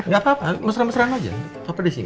gak apa apa mesra mesraan aja